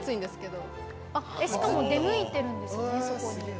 しかも、そこに出向いているんですよね？